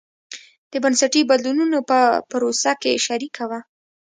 د بنسټي بدلونونو په پروسه کې شریکه وه.